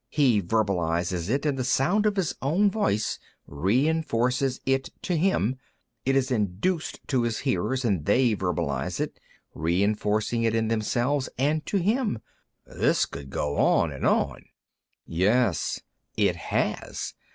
He verbalizes it, and the sound of his own voice re enforces it in him. It is induced in his hearers, and they verbalize it, re enforcing it in themselves and in him. This could go on and on." "Yes. It has.